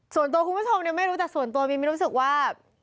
ส่วนตัวคุณผู้ชมเนี่ยไม่รู้แต่ส่วนตัวมินไม่รู้สึกว่า